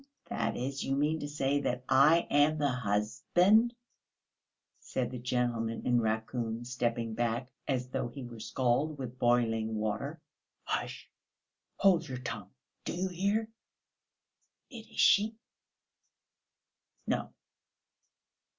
"That is, you mean to say that I am the husband," said the gentleman in raccoon, stepping back as though he were scalded with boiling water. "Hush, hold your tongue. Do you hear?..." "It is she." "No!"